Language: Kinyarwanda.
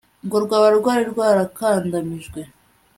ngo rwaba rwari rwarakandamijwe